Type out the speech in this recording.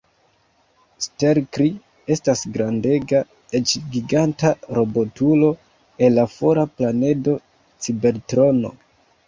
Stelkri estas grandega, eĉ giganta, robotulo el la fora planedo Cibertrono.